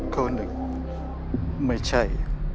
ข้อหนึ่งไม่ใช่